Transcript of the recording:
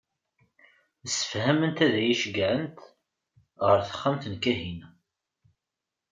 Msefhament ad iyi-ceggɛent ɣer texxamt n Kahina.